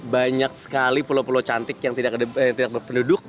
banyak sekali pulau pulau cantik yang tidak berpenduduk